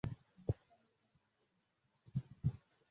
gifite ameza n'intebe bimufashe amaboko inyuma